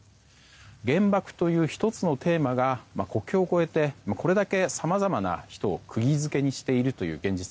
原爆という１つのテーマが国境を越えてこれだけさまざまな人を釘づけにしているという現実。